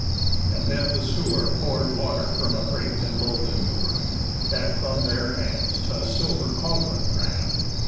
And then the sewer Pour'd water from a great and golden ewer, That from their hands t' a silver caldron ran.